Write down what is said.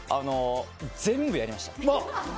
全部やりました。